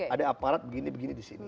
ada aparat begini begini di sini